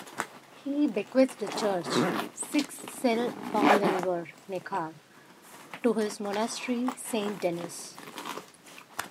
He bequeathed the church "sixth cell upon the river Neckar" to his monastery, Saint-Denis.